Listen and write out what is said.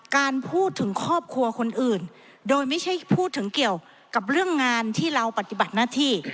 การพูดถึงครอบครัวคนอื่นโดยไม่ใช่พูดถึงเกี่ยวกับเรื่องงานที่เราปฏิบัติหน้าที่